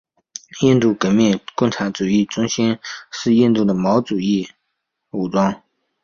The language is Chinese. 印度革命共产主义中心是印度的毛主义武装。